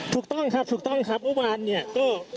ถูกต้อนครับครับเมื่อวานเนี่ยก็